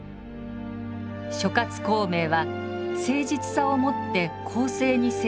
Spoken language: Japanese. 「諸孔明は誠実さをもって公正に政治を行った。